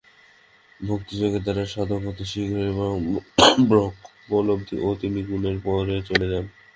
ভক্তিযোগের দ্বারা সাধক অতি শীঘ্র ব্রহ্মোপলব্ধি করেন ও তিন গুণের পারে চলে যান।